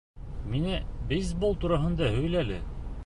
— Миңә бейсбол тураһында һөйлә әле.